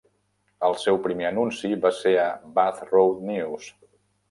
El seu primer anunci va ser a "Bath Road News".